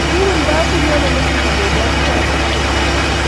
Kibun basit nyo olekimii beliotinik choto akotiny